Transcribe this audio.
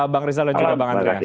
bang riza dan juga bang andreas